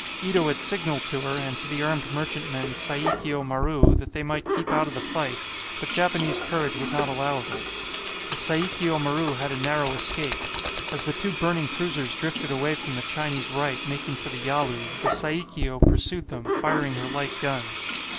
Ito had signalled to her, and to the armed merchantman, "Saikio Maru," that they might keep out of the fight, but Japanese courage would not allow of this. The "Saikio Maru" had a narrow escape. As the two burning cruisers drifted away from the Chinese right, making for the Yalu, the "Saikio" pursued them, firing her light guns.